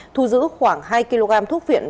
thu giữ khoảng hai kg thuốc viện và hai kg thuốc viện